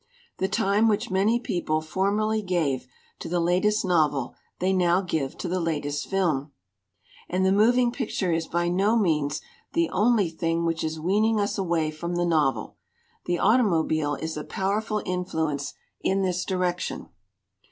The time which many people formerly gave to the latest novel they now give to the latest film. "And the moving picture is by no means the only thing which is weaning us away from the 1 88 THE NOVEL MUST GO novel. The automobile is a powerful influence in this direction.